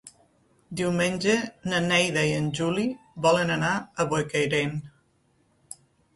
Diumenge na Neida i en Juli volen anar a Bocairent.